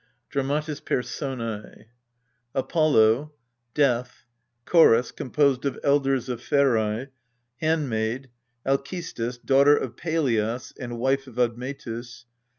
DRAMATIS PERSONS APOLLO. DEATH. CHORUS, composed of Elders of Pherse. HANDMAID. ALCESTIS, Daughter of Pelias, and Wife of Admetus.